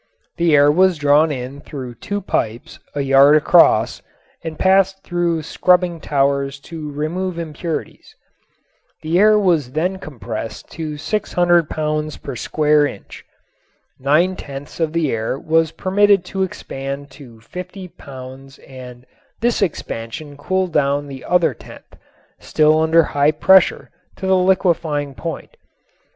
The air was drawn in through two pipes, a yard across, and passed through scrubbing towers to remove impurities. The air was then compressed to 600 pounds per square inch. Nine tenths of the air was permitted to expand to 50 pounds and this expansion cooled down the other tenth, still under high pressure, to the liquefying point.